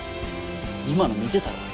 今の見てたろ？